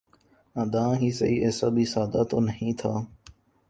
ناداں ہی سہی ایسا بھی سادہ تو نہیں تھا